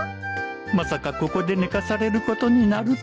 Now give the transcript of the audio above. まさかここで寝かされることになるとは